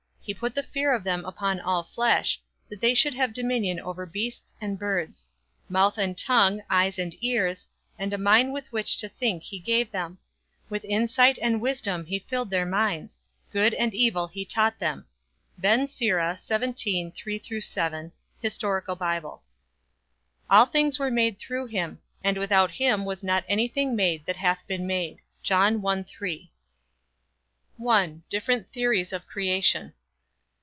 He put the fear of them upon all flesh, That they should have dominion over beasts and birds. Mouth and tongue, eyes and ears, And a mind with which to think he gave them; With insight and wisdom he filled their minds, Good and evil he taught them. Ben Sira. 17, 3 7 (Hist. Bible). All things were made through him; and without him was not any thing made that hath been made. John 1:3. I. DIFFERENT THEORIES OF CREATION.